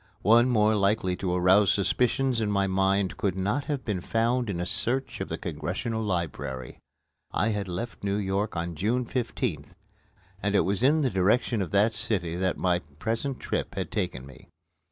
One more likely to arouse suspicions in my mind could not have been found in a search of the Congressional Library. I had left New York on June 15th, and it was in the direction of that city that my present trip had taken me.